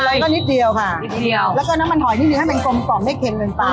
ต่างก็นิดเดียวค่ะนิดเดียวแล้วก็น้ำมันหอยนิดนึงให้มันกลมปลอมได้เค็มเลยป่ะ